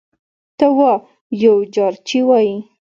ته وا یو جارچي وايي: